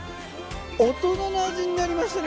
大人の味になりましたね